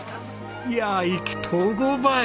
いやあ意気投合ばい！